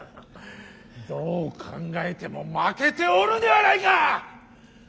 どう考えても負けておるではないか！